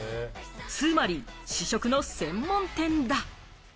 つまり試食の専門店だ。